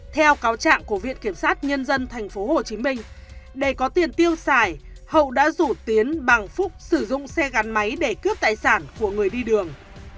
theo cáo trạng của viện kiểm sát nhân dân tp hcm để có tiền tiêu xài hậu đã rủ tiến bằng phúc sử dụng xe gắn máy để cướp tài sản của người đi đường